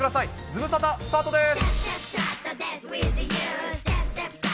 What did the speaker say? ズムサタ、スタートです。